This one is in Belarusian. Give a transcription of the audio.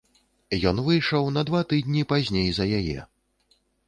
Ён выйшаў на два тыдні пазней за яе.